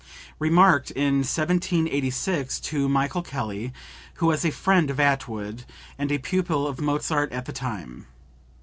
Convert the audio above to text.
(Remarked in 1786 to Michael Kelly, who was a friend of Attwood and a pupil of Mozart at the time.